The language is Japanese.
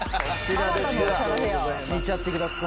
見ちゃってください。